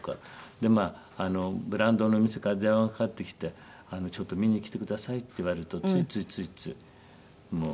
でまあブランドの店から電話がかかってきて「ちょっと見に来てください」って言われるとついついついついもう。